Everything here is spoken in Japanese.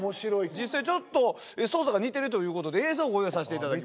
実際ちょっと操作が似てるということで映像をご用意させていただきました。